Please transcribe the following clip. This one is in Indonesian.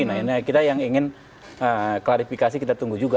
nah ini kita yang ingin klarifikasi kita tunggu juga